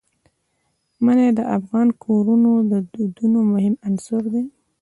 منی د افغان کورنیو د دودونو مهم عنصر دی.